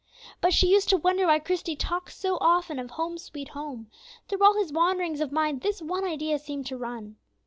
But she used to wonder why Christie talked so often of "Home, sweet Home;" through all his wanderings of mind this one idea seemed to run.